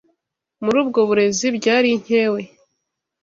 muri ubwo burezi byari inkehwe